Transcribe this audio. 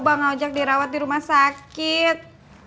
bang ojek dirawat di rumah sakit